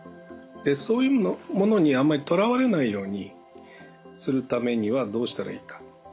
そういうものにあんまりとらわれないようにするためにはどうしたらいいか。